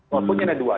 walaupun ini ada dua